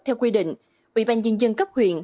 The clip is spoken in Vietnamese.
theo quy định ủy ban nhân dân cấp huyện